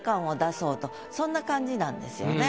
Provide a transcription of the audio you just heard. そんな感じなんですよね。